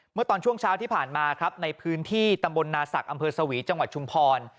เมื่อตอนช่วงเช้าที่ผ่านมาครับในพื้นที่ตำบลนาศักดิ์อำเภอสวีจังหวัดชุมพร